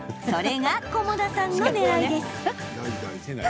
それが菰田さんのねらいです。